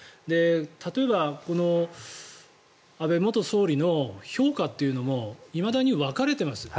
例えば安倍元総理の評価というのもいまだに分かれています。